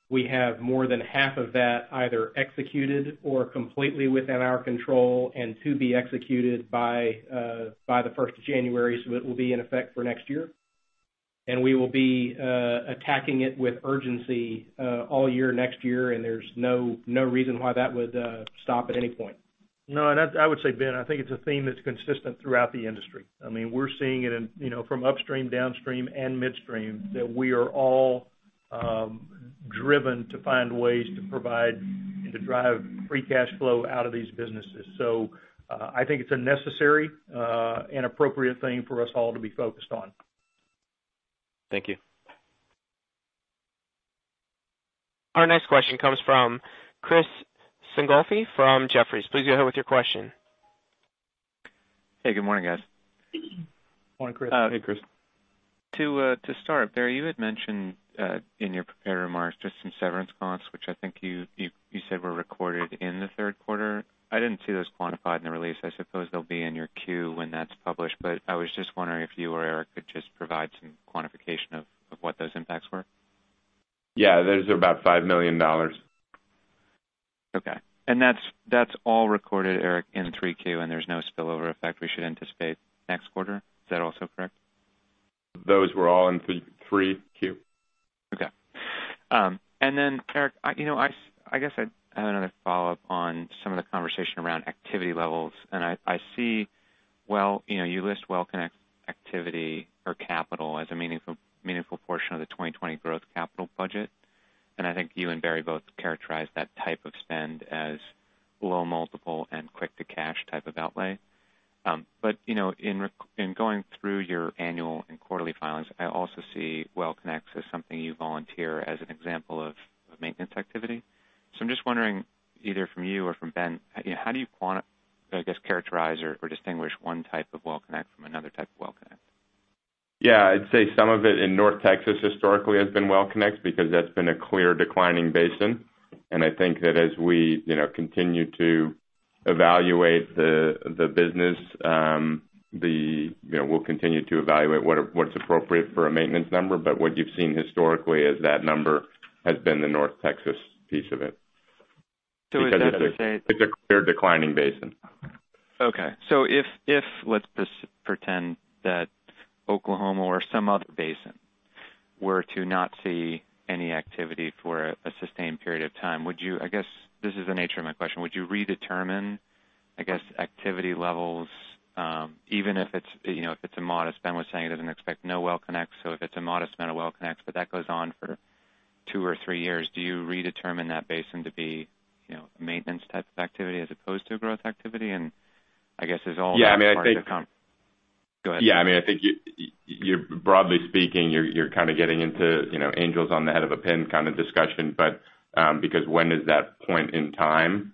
we have more than half of that either executed or completely within our control and to be executed by the first of January. It will be in effect for next year. We will be attacking it with urgency all year next year, and there's no reason why that would stop at any point. No, I would say, Ben, I think it's a theme that's consistent throughout the industry. We're seeing it from upstream, downstream, and midstream, that we are all driven to find ways to provide and to drive free cash flow out of these businesses. I think it's a necessary and appropriate thing for us all to be focused on. Thank you. Our next question comes from Chris Sighinolfi from Jefferies. Please go ahead with your question. Hey, good morning, guys. Morning, Chris. Hey, Chris. To start, Barry, you had mentioned in your prepared remarks just some severance costs, which I think you said were recorded in the third quarter. I didn't see those quantified in the release. I suppose they'll be in your Q when that's published, but I was just wondering if you or Eric could just provide some quantification of what those impacts were. Yeah. Those are about $5 million. Okay. That's all recorded, Eric, in 3Q, and there's no spillover effect we should anticipate next quarter. Is that also correct? Those were all in 3Q. Okay. Eric, I guess I have another follow-up on some of the conversation around activity levels. I see you list WellConnect activity or capital as a meaningful portion of the 2020 growth capital budget. I think you and Barry both characterize that type of spend as low multiple and quick to cash type of outlay. In going through your annual and quarterly filings, I also see WellConnects as something you volunteer as an example of maintenance activity. I'm just wondering, either from you or from Ben, how do you characterize or distinguish one type of WellConnect from another type of WellConnect? Yeah. I'd say some of it in North Texas historically has been WellConnects because that's been a clear declining basin, and I think that as we continue to evaluate the business, we'll continue to evaluate what's appropriate for a maintenance number. What you've seen historically is that number has been the North Texas piece of it. is that to say- It's a clear declining basin. If let's pretend that Oklahoma or some other basin were to not see any activity for a sustained period of time, I guess this is the nature of my question, would you redetermine activity levels? Even if it's a modest, Ben was saying he doesn't expect no WellConnects, so if it's a modest amount of WellConnects, but that goes on for two or three years, do you redetermine that basin to be a maintenance type of activity as opposed to a growth activity? Yeah, I mean. Go ahead. Yeah. I think, broadly speaking, you're kind of getting into angels on the head of a pin kind of discussion, because when is that point in time?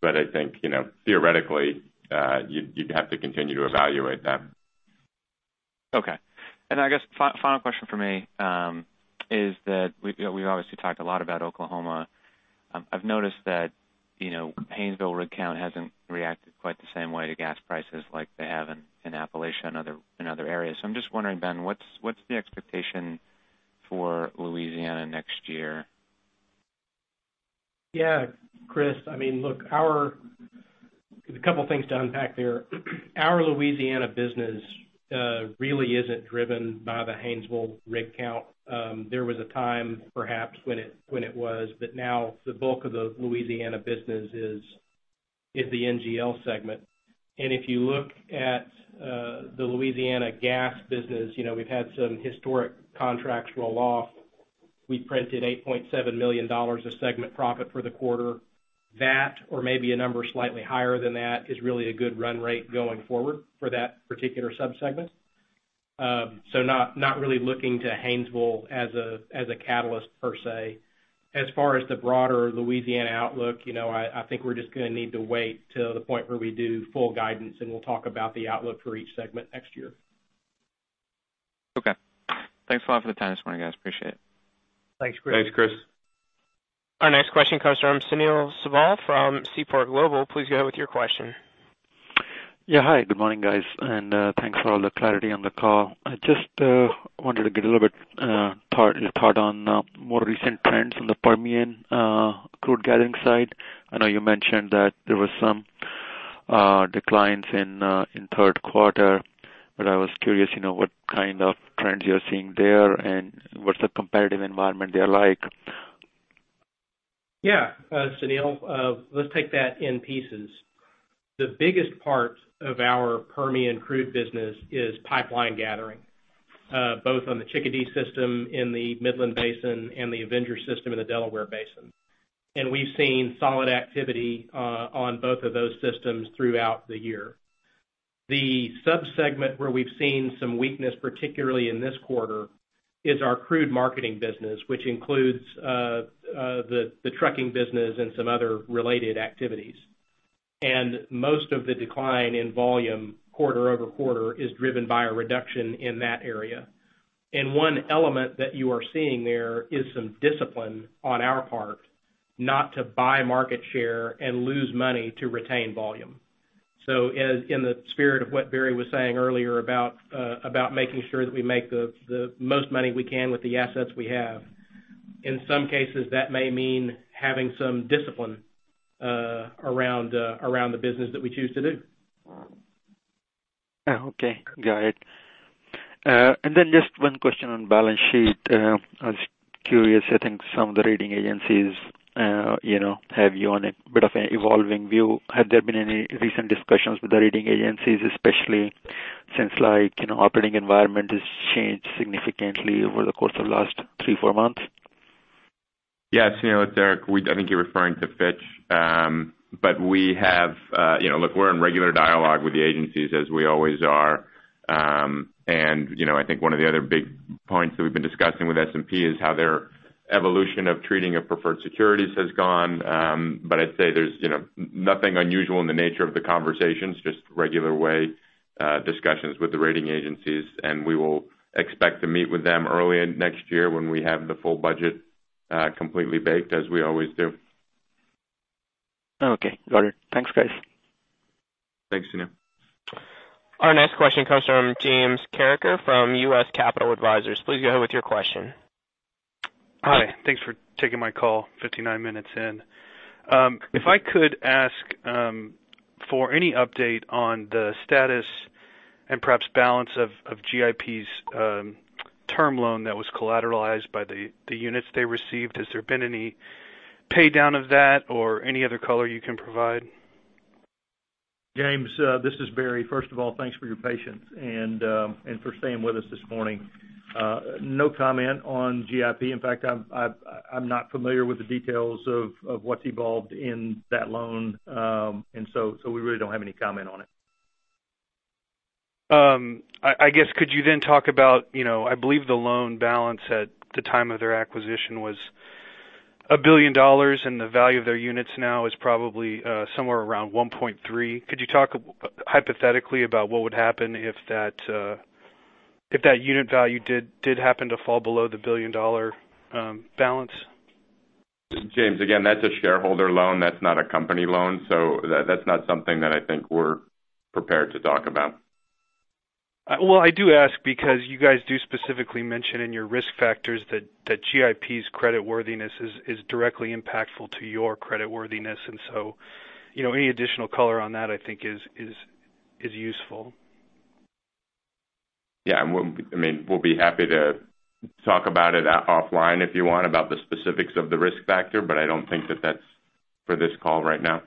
I think theoretically, you'd have to continue to evaluate that. Okay. I guess final question from me is that we obviously talked a lot about Oklahoma. I've noticed that Haynesville rig count hasn't reacted quite the same way to gas prices like they have in Appalachia and other areas. I'm just wondering, Ben, what's the expectation for Louisiana next year? Chris, a couple of things to unpack there. Our Louisiana business really isn't driven by the Haynesville rig count. There was a time perhaps when it was, but now the bulk of the Louisiana business is the NGL segment. If you look at the Louisiana gas business, we've had some historic contracts roll off. We printed $8.7 million of segment profit for the quarter. That or maybe a number slightly higher than that is really a good run rate going forward for that particular sub-segment. Not really looking to Haynesville as a catalyst per se. As far as the broader Louisiana outlook, I think we're just going to need to wait till the point where we do full guidance, and we'll talk about the outlook for each segment next year. Okay. Thanks a lot for the time this morning, guys. Appreciate it. Thanks, Chris. Thanks, Chris. Our next question comes from Sunil Sibal from Seaport Global. Please go ahead with your question. Yeah. Hi, good morning, guys, and thanks for all the clarity on the call. I just wanted to get a little bit thought on more recent trends on the Permian crude gathering side. I know you mentioned that there was some declines in third quarter, but I was curious what kind of trends you're seeing there, and what's the competitive environment there like? Yeah. Sunil, let's take that in pieces. The biggest part of our Permian crude business is pipeline gathering, both on the Chickadee system in the Midland Basin and the Avenger system in the Delaware Basin. We've seen solid activity on both of those systems throughout the year. The sub-segment where we've seen some weakness, particularly in this quarter, is our crude marketing business, which includes the trucking business and some other related activities. Most of the decline in volume quarter-over-quarter is driven by a reduction in that area. One element that you are seeing there is some discipline on our part not to buy market share and lose money to retain volume. In the spirit of what Barry was saying earlier about making sure that we make the most money we can with the assets we have, in some cases, that may mean having some discipline around the business that we choose to do. Oh, okay. Got it. Just one question on balance sheet. I was curious, I think some of the rating agencies have you on a bit of an evolving view. Have there been any recent discussions with the rating agencies, especially since operating environment has changed significantly over the course of the last three, four months? Yes, Sunil, it's Eric. I think you're referring to Fitch. Look, we're in regular dialogue with the agencies as we always are. I think one of the other big points that we've been discussing with S&P is how their evolution of treating of preferred securities has gone. I'd say there's nothing unusual in the nature of the conversations, just regular way discussions with the rating agencies. We will expect to meet with them early next year when we have the full budget completely baked as we always do. Okay, got it. Thanks, guys. Thanks, Sunil. Our next question comes from James Carreker from U.S. Capital Advisors. Please go ahead with your question. Hi, thanks for taking my call 59 minutes in. If I could ask for any update on the status and perhaps balance of GIP's term loan that was collateralized by the units they received. Has there been any pay-down of that or any other color you can provide? James, this is Barry. First of all, thanks for your patience and for staying with us this morning. No comment on GIP. In fact, I'm not familiar with the details of what's evolved in that loan. We really don't have any comment on it. I guess, could you then talk about, I believe the loan balance at the time of their acquisition was $1 billion and the value of their units now is probably somewhere around $1.3 billion. Could you talk hypothetically about what would happen if that unit value did happen to fall below the billion-dollar balance? James, again, that's a shareholder loan. That's not a company loan. That's not something that I think we're prepared to talk about. Well, I do ask because you guys do specifically mention in your risk factors that GIP's creditworthiness is directly impactful to your creditworthiness. Any additional color on that I think is useful. Yeah. We'll be happy to talk about it offline if you want, about the specifics of the risk factor, but I don't think that that's for this call right now.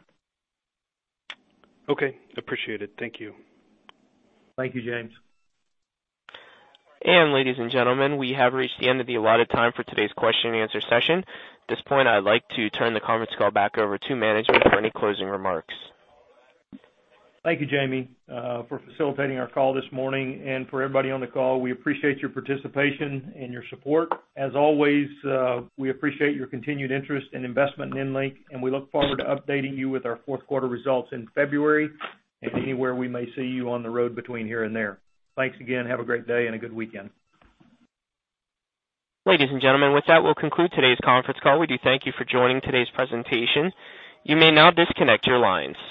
Okay. Appreciate it. Thank you. Thank you, James. Ladies and gentlemen, we have reached the end of the allotted time for today's question and answer session. At this point, I'd like to turn the conference call back over to management for any closing remarks. Thank you, Jamie, for facilitating our call this morning and for everybody on the call. We appreciate your participation and your support. As always, we appreciate your continued interest and investment in EnLink, and we look forward to updating you with our fourth quarter results in February and anywhere we may see you on the road between here and there. Thanks again. Have a great day and a good weekend. Ladies and gentlemen, with that, we'll conclude today's conference call. We do thank you for joining today's presentation. You may now disconnect your lines.